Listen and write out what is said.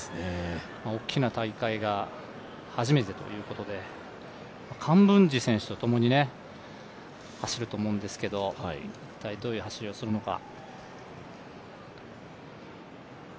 大きな大会が初めてということで、カンブンジ選手と共に走ると思うんですけど、一体どういう走りをするのか。